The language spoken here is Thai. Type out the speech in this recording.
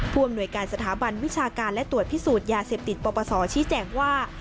ผู้อำนวยการสถาบันวิชาการและตรวจพิสูจน์ยาเสพติดปปศชี้แจงว่า